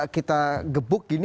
kita gebuk gini